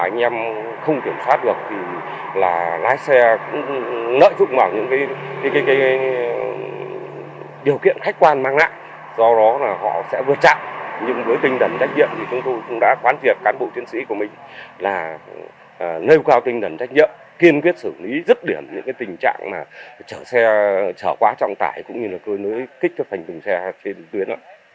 những người tinh thần trách nhiệm thì chúng tôi cũng đã quán việc cán bộ tiến sĩ của mình là nêu cao tinh thần trách nhiệm kiên quyết xử lý rất điểm những tình trạng mà chở xe chở quá trong tải cũng như là tôi nới kích thước thành thùng xe trên tuyến